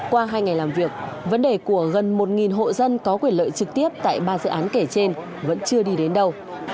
qua hai ngày làm việc vấn đề của gần một hộ dân có quyền lợi trực tiếp tại ba dự án kể trên vẫn chưa đi đến đâu